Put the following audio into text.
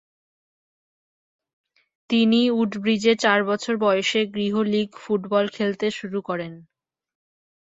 তিনি উডব্রিজে চার বছর বয়সে গৃহ লীগ ফুটবল খেলতে শুরু করেন।